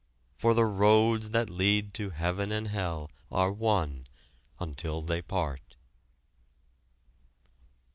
For the roads that lead to heaven and hell are one until they part.